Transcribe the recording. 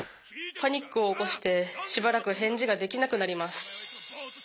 パニックを起こしてしばらく返事ができなくなります。